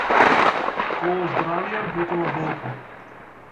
Голо здравје, готова болка.